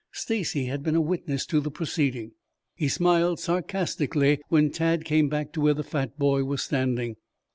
Stacy had been a witness to the proceeding. He smiled sarcastically when Tad came back to where the fat boy was standing.